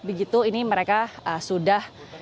begitu ini mereka sudah